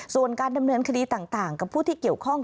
ส่วนการดำเนินคดีต่างกับผู้ที่เกี่ยวข้อง